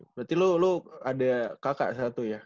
berarti lu lu ada kakak satu ya